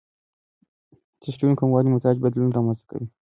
ټیسټسټرون کموالی مزاج بدلون رامنځته کوي.